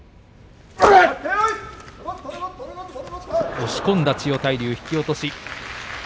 押し込んだ千代大海引き落としです。